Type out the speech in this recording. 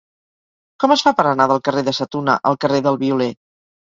Com es fa per anar del carrer de Sa Tuna al carrer del Violer?